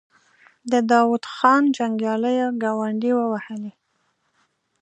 د داود خان جنګياليو ګونډې ووهلې.